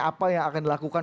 apa yang akan dilakukan